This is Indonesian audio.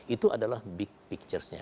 itu adalah big picture nya